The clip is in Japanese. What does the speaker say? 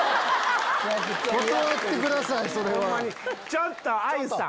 ちょっとあゆさん！